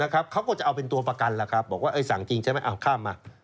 เขาก็จะเอาเป็นตัวประกันบอกว่าสั่งจริงใช่ไหมข้ามมา